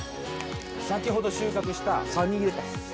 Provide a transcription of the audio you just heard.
先ほど収穫したサニーレタス。